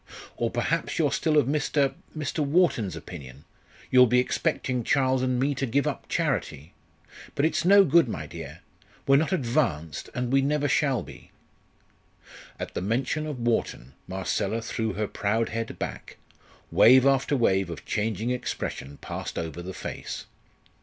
Or perhaps you're still of Mr. Mr. Wharton's opinion you'll be expecting Charles and me to give up charity. But it's no good, my dear. We're not 'advanced,' and we never shall be." At the mention of Wharton Marcella threw her proud head back; wave after wave of changing expression passed over the face.